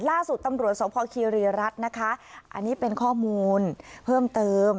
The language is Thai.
ล่าสุดตำรวจสพคีรีรัฐนะคะอันนี้เป็นข้อมูลเพิ่มเติม